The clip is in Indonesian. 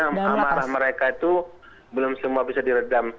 karena amarah mereka itu belum semua bisa diredam